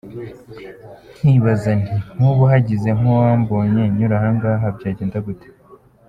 Nkibaza nti nk’ubu hagize nk’uwambonye nyura ahangaha byagenda gute?